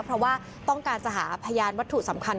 เพราะว่าต้องการจะหาพยานวัตถุสำคัญ